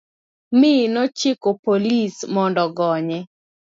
mi nochiko polis mondo ogonye.